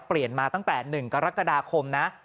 เปลี่ยนมาตั้งแต่๑กรกฎาคมนะ